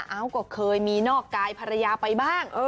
เอาก็เคยมีนอกกายภรรยาไปบ้าง